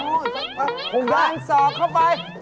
อ๋อขานศอกเข้าไปขานศอกเข้าไป